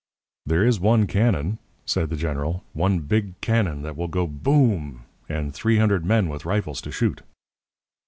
"'There is one cannon,' said the General; 'one big cannon that will go "BOOM!" And three hundred men with rifles to shoot.'